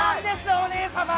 お姉様！